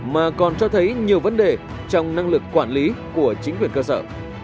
mà còn cho thấy nhiều vấn đề trong năng lực quản lý của chính quyền cơ sở